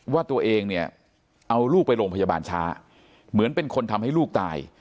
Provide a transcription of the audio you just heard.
ว่าตัวเองเนี่ยเอาลูกไปโรงพยาบาลช้าเหมือนเป็นคนทำให้ลูกตาย